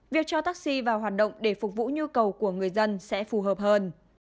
việc cho taxi vào hoạt động để phục vụ nhu cầu của người dân sẽ phù hợp hơn